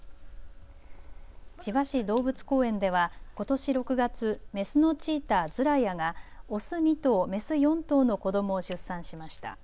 千葉市動物公園ではことし６月、メスのチーター、ズラヤがオス２頭、メス４頭の子どもを出産しました。